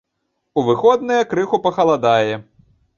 У выходныя крыху пахаладае.